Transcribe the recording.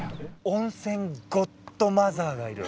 温泉ゴッドマザーがいる。